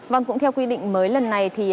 vâng cũng theo quy định mới lần này thì